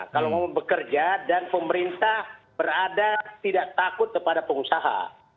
kalau mau bekerja dan pemerintah berada tidak takut kepada pengusaha